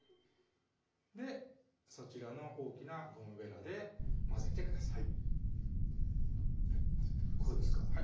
そちらの大きなゴムベラで混ぜてください混ぜてくださいこうですか？